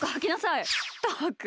ったく！